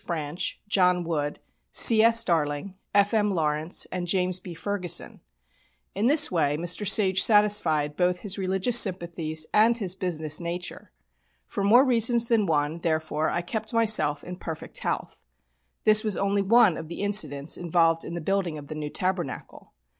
Branch, John Wood, C.S. Darling, F.M. Lawrence, and James B. Ferguson. In this way Mr. Sage satisfied both his religious sympathies and his business nature. For more reasons than one, therefore, I kept myself in perfect health. This was only one of the incidents involved in the building of the New Tabernacle.